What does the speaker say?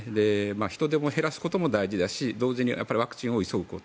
人出も減らすことも大事だし同時にワクチンを急ぐこと。